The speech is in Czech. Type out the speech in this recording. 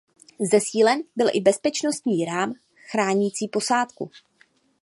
Zesílen byl i bezpečnostní rám chránící posádku.